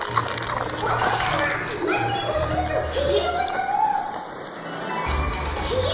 お父さまマロにもひとつひげをの！